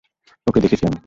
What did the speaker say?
ওকে দেখেছি আমি।